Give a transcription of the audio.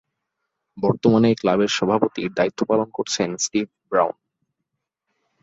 বর্তমানে এই ক্লাবের সভাপতির দায়িত্ব পালন করছেন স্টিভ ব্রাউন।